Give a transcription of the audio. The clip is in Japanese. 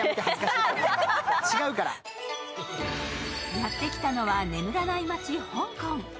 やってきたのは眠らない街・香港。